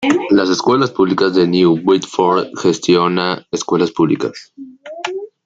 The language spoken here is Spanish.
Las Escuelas Públicas de New Bedford gestiona escuelas públicas.